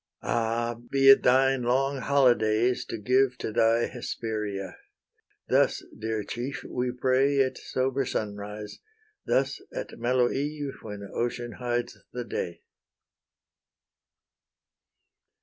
Ah! be it thine long holydays to give To thy Hesperia! thus, dear chief, we pray At sober sunrise; thus at mellow eve, When ocean hides the day.